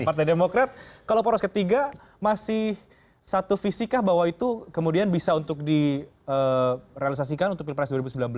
partai demokrat kalau poros ketiga masih satu visikah bahwa itu kemudian bisa untuk direalisasikan untuk pilpres dua ribu sembilan belas